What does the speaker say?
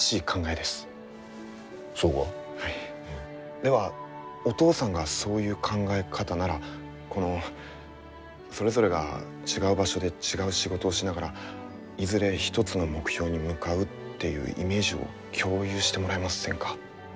ではお父さんがそういう考え方ならこのそれぞれが違う場所で違う仕事をしながらいずれ一つの目標に向かうっていうイメージを共有してもらえませんか？